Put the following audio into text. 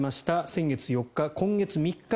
先月４日、今月３日